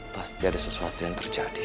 pasti ada sesuatu yang terjadi